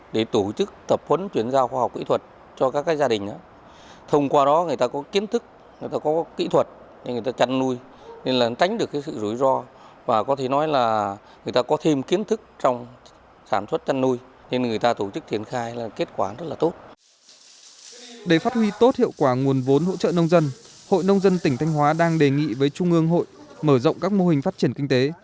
để phát huy tốt hiệu quả nguồn vốn hỗ trợ nông dân hội nông dân tỉnh thanh hóa đang đề nghị với trung ương hội mở rộng các mô hình phát triển kinh tế